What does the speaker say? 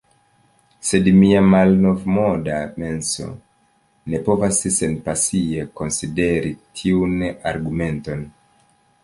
Sed mia malnovmoda menso ne povas senpasie konsideri tiun argumenton.